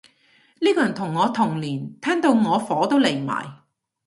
呢個人同我同年，聽到我火都嚟埋